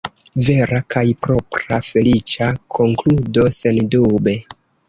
Vera kaj propra “feliĉa konkludo”, sendube.